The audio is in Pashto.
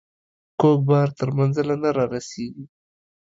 کوږ بار تر منزله نه رارسيږي.